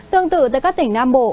tương tự tại các tỉnh nam bộ